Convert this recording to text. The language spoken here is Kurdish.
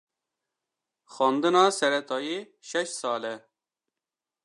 Xwendina seretayî şeş sal e.